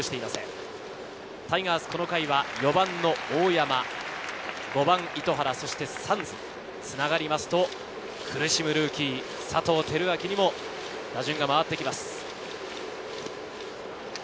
この回、４番の大山、５番・糸原、サンズにつながると苦しむルーキー・佐藤輝明にも、打順が回ってきます。